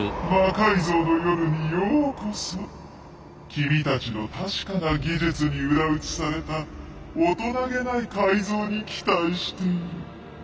君たちの確かな技術に裏打ちされた大人気ない改造に期待している。